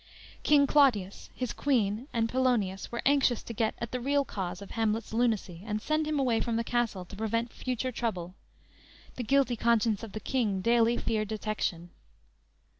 _ King Claudius, his queen and Polonius were anxious to get at the real cause of Hamlet's lunacy, and send him away from the castle to prevent future trouble. The guilty conscience of the king daily feared detection.